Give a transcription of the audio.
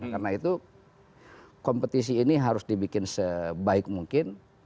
karena itu kompetisi ini harus dibikin sebaik mungkin